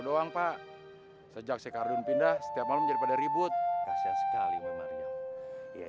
doang pak sejak sekalian pindah setiap membuat ribut kasih sekali mereka